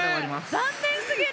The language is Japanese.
残念すぎる！